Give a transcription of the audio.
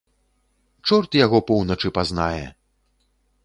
Чорт яго поўначы пазнае.